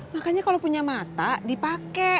makanya kalau punya mata dipakai